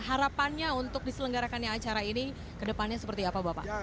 harapannya untuk diselenggarakannya acara ini ke depannya seperti apa bapak